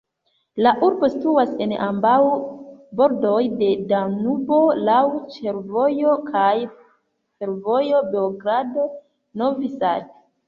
La urbo situas en ambaŭ bordoj de Danubo, laŭ ĉefvojo kaj fervojo Beogrado-Novi Sad.